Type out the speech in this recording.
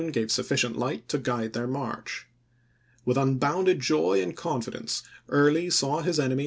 gave sufficient light to guide their march. With unbounded joy and confidence Early saw his enemy Oct.